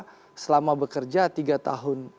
yang kedua selama bekerja tiga tahun itu tercipta